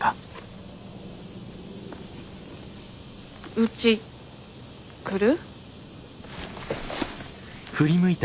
うち来る？